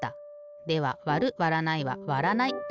ではわるわらないはわらないだな。